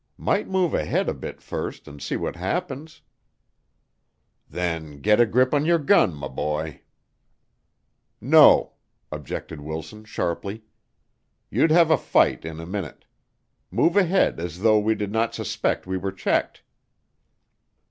"Might move ahead a bit first and see what happens." "Then get a grip on your gun, m' boy." "No," objected Wilson, sharply. "You'd have a fight in a minute. Move ahead as though we did not suspect we were checked."